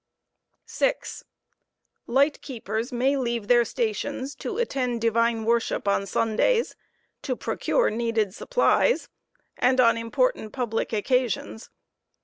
6, LigbVkcepera may leave their stations to attend divine worship on Sundays, Absence to procure needful supplies, and on important public occasions.